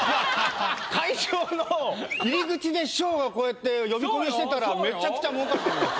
会場の入り口で師匠がこうやって呼び込みしてたらめちゃくちゃ儲かると思います。